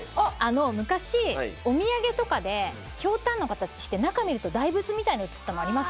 昔お土産とかでヒョウタンの形して中見ると大仏みたいのうつったのありません？